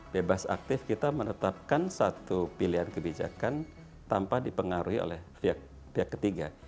bebas aktif kita menetapkan satu pilihan kebijakan tanpa dipengaruhi oleh pihak ketiga